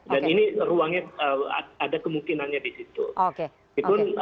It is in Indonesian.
dan ini ruangnya ada kemungkinannya di situ